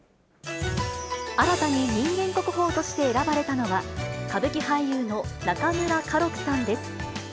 新たに人間国宝として選ばれたのは、歌舞伎俳優の中村歌六さんです。